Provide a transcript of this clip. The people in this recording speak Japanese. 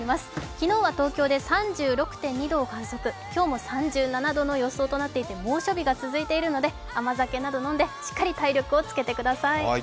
昨日は東京で３６．２度を観測、今日も３７度の予想となっていて猛暑日が続いているので甘酒など飲んでしっかり体力をつけてください。